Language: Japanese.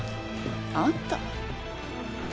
「あんた」？